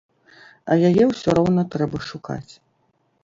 А яе ўсё роўна трэба шукаць.